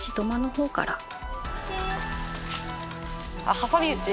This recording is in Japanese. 挟み撃ち。